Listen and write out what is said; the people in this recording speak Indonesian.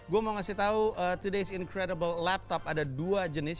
gue mau ngasih tau to days incredible laptop ada dua jenis